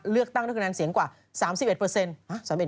เลือกตั้งด้วยคะแนนเสียงกว่า๓๑เปอร์เซ็นต์